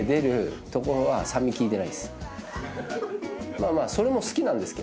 まあまあそれも好きなんですけどね。